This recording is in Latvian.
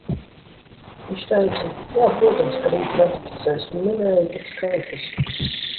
Viņš teica: jā, protams, ka rīt ratificēs, un minēja pat skaitļus.